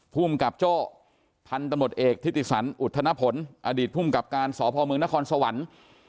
ภูมิกับโจ้พันธบทเอกธิติสรรอุทธนพลอดีตภูมิกับการสพมนครสวรรค์